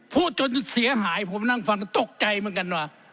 พูดจนเสียหายผมนั่งฟังตกใจเหมือนกันว่า